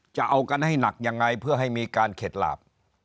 จะเอากันให้หนักยังไงเพื่อให้มีการเข็ดหลาบ